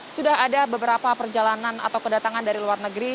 sudah ada beberapa perjalanan atau kedatangan dari luar negeri